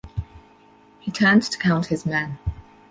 He turned to count his men.